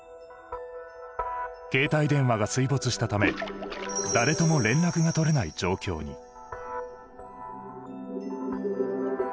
携帯電話が水没したため誰とも連絡が取れない状況に。